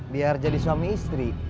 biar jadi suami istri